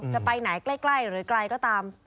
จะไปไหนใกล้หรือไกลก็ตาม